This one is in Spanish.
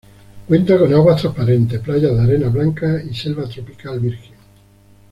Cuenta con aguas transparentes, playas de arena blanca y selva tropical virgen.